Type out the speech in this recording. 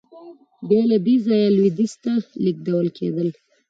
بیا له دې ځایه لوېدیځ ته لېږدول کېدل.